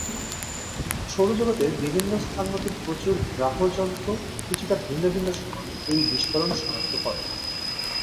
সৌরজগৎের বিভিন্ন স্থান হতে প্রচুর গ্রাহ-যন্ত্র কিছুটা ভিন্ন ভিন্ন সময়ে এই বিস্ফোরণ শনাক্ত করে।